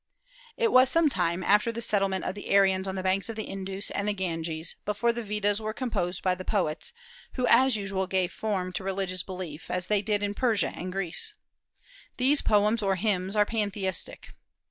It was some time after the settlement of the Aryans on the banks of the Indus and the Ganges before the Vedas were composed by the poets, who as usual gave form to religious belief, as they did in Persia and Greece. These poems, or hymns, are pantheistic.